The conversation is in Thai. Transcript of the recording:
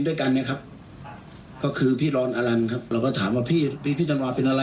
ได้บอกว่าน่าจะติดโควิดนั้นแหละ